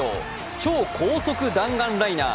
超高速弾丸ライナー。